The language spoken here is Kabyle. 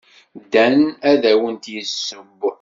Dan ad awent-d-yesseww.